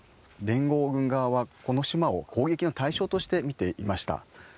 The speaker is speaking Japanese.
連合軍側はこの島を攻撃の対象として見ていました。